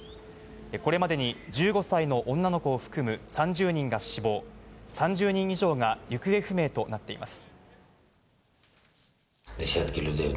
これまでに１５歳の女の子を含む３０人が死亡、３０人以上が行方不明となっています。